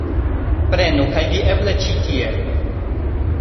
Prenu kaj vi eble ĉi tie